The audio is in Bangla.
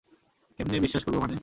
কেমনে বিশ্বাস করবো মানে?